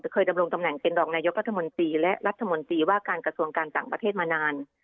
เคยดำรงตำแหน่งเป็นรองนายกรัฐมนตรีและรัฐมนตรีว่าการกระทรวงการต่างประเทศมานาน